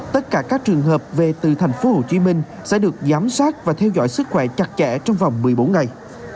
tất cả các trường hợp về từ thành phố hồ chí minh sẽ được giám sát và theo dõi sức khỏe chặt chẽ trong vòng một mươi bốn ngày